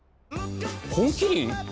「本麒麟」